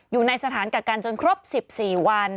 อยู่ในสถานกักกันจนครบ๑๔วัน